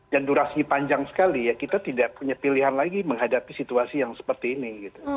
dan durasi panjang sekali ya kita tidak punya pilihan lagi menghadapi situasi yang seperti ini